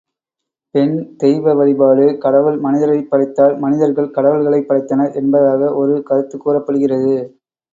பெண் தெய்வ வழிபாடு கடவுள் மனிதரைப் படைத்தார் மனிதர்கள் கடவுள்களைப் படைத்தனர் என்பதாக ஒரு கருத்து கூறப்படுகிறது.